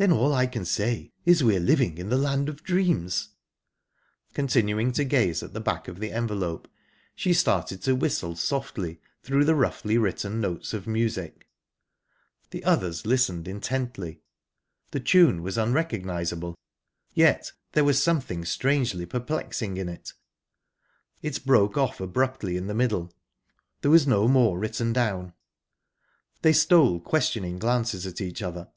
"Then all I can say is we're living in the land of dreams!"... Continuing to gaze at the back of the envelope, she started to whistle softly through the roughly written notes of music. The others listened intently. The tune was unrecognisable, yet there was something strangely perplexing in it. It broke off abruptly in the middle; there was no more written down. They stole questioning glances at each other.